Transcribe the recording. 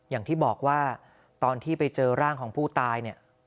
อย่างที่บอกว่าตอนที่ไปเจอร่างของผู้ตายเนี่ย